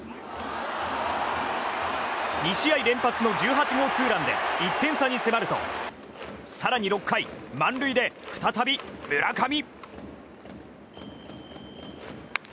２試合連発の１８号ツーランで１点差に迫ると更に６回、満塁で再び村上。